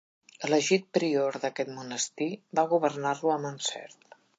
Elegit prior d'aquest monestir va governar-lo amb encert.